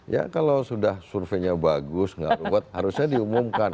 ya kalau sudah surveinya bagus nggak ruwet harusnya diumumkan